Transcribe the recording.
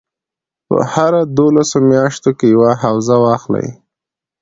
په هرو دولسو میاشتو کې یوه حوزه واخلي.